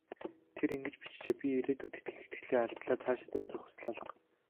Тэр ингэж бичжээ: "Би ирээдүйд итгэх итгэлээ алдлаа. Цаашид амьдрах хүсэл алга".